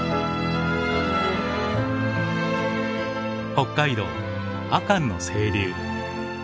北海道阿寒の清流。